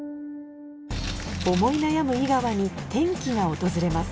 思い悩む井川に転機が訪れます